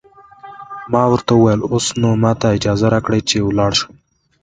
ما ورته وویل: اوس نو ماته اجازه راکړئ چې ولاړ شم.